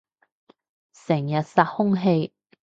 成日殺空氣